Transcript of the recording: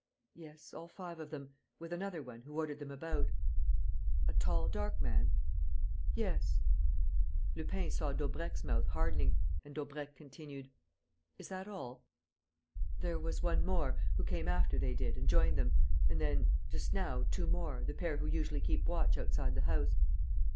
"Yes, all five of them ... with another one, who ordered them about." "A tall, dark man?" "Yes." Lupin saw Daubrecq's mouth hardening; and Daubrecq continued: "Is that all?" "There was one more, who came after they did and joined them ... and then, just now, two more, the pair who usually keep watch outside the house."